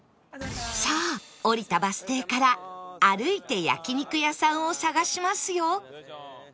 さあ降りたバス停から歩いて焼肉屋さんを探しますよ